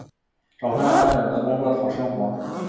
找份安稳的工作讨生活